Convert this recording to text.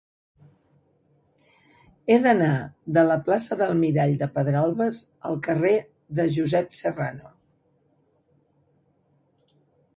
He d'anar de la plaça del Mirall de Pedralbes al carrer de Josep Serrano.